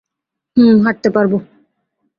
হুম, হাঁটতে পারবো।